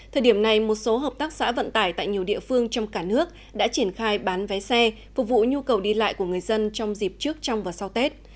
thời điểm này một số hợp tác xã vận tải tại nhiều địa phương trong cả nước đã triển khai bán vé xe phục vụ nhu cầu đi lại của người dân trong dịp trước trong và sau tết